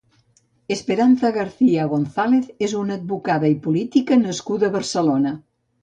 Esperanza García González és una advocada i política nascuda a Barcelona.